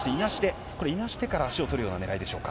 これ、いなしてから足を取るようなねらいでしょうか。